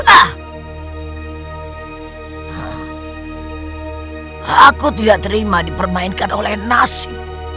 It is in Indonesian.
aku tidak terima dipermainkan oleh nasi